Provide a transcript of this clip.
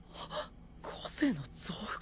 個性の増幅？